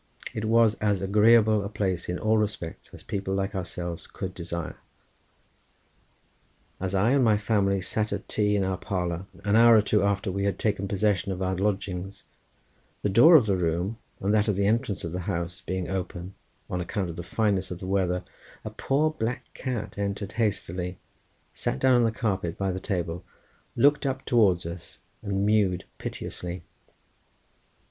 It was as agreeable a place in all respects as people like ourselves could desire. As I and my family sat at tea in our parlour, an hour or two after we had taken possession of our lodgings, the door of the room and that of the entrance to the house being open, on account of the fineness of the weather, a poor black cat entered hastily, sat down on the carpet by the table, looked up towards us, and mewed piteously.